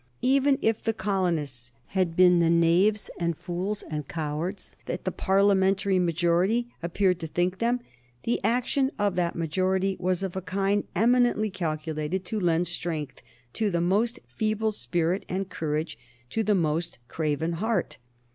Even if the colonists had been the knaves and fools and cowards that the Parliamentary majority appeared to think them, the action of that majority was of a kind eminently calculated to lend strength to the most feeble spirit and courage to the most craven heart.